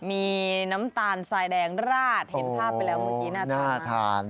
มีน้ำตาลทรายแดงราดเห็นภาพไปแล้วเมื่อกี้น่าทาน